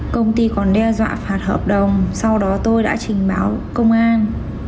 công ty còn đe dọa phạt hợp đồng sau đó tôi đã trình báo công an